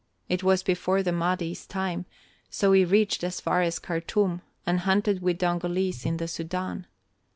It was before the Mahdi's time, so he reached as far as Khartûm, and hunted with Dongolese in the Sudân.